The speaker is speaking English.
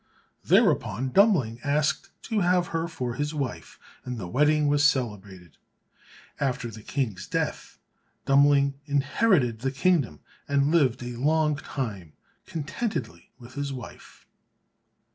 Thereupon Dummling asked to have her for his wife, and the wedding was celebrated. After the King's death, Dummling inherited the kingdom and lived a long time contentedly with his wife.